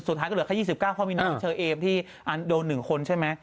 สุดท้ายก็เหลือแค่๒๙เพราะมีน้องเชอเอมที่โดน๑คนใช่ไหม